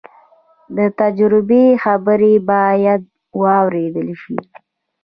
د تجربې خبرې باید واورېدل شي.